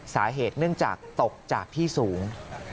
สาเหตุเนื่องจากตกจากที่สูง